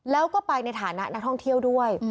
แล้วก็ไปในฐานะนักท่องเที่ยวด้วย